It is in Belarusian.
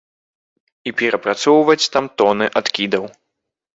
І перапрацоўваць там тоны адкідаў.